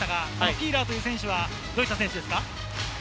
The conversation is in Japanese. フィーラーという選手はどういった選手ですか？